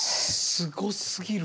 すごすぎる！